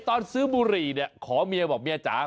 ตอนซื้อบุหรี่เนี่ยขอเมียบอกเมียจ๋า